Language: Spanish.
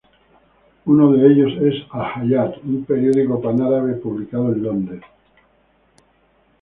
Uno de ellos es "al-Hayat", un periódico pan-árabe publicado en Londres.